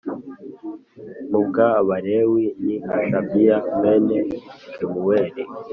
mu w Abalewi ni Hashabiya mwene Kemuweli